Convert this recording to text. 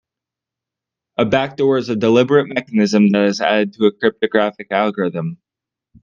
A backdoor is a deliberate mechanism that is added to a cryptographic algorithm.